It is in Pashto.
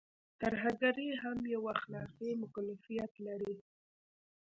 ترهګري هم يو اخلاقي مکلفيت لري.